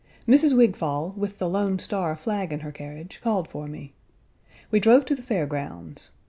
Mrs. Wigfall, with the "Lone Star" flag in her carriage, called for me. We drove to the fair grounds.